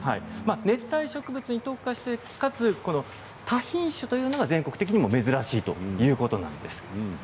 熱帯植物に特化して多品種というのが全国的でも珍しいということなんですね。